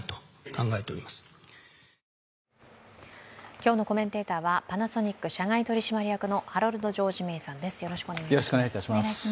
今日のコメンテーターはパナソニック社外取締役のハロルド・ジョージ・メイさんです。